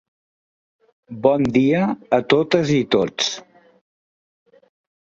Bon dia a totes i tots.